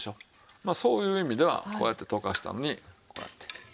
まあそういう意味ではこうやって溶かしたのにこうやってこれから。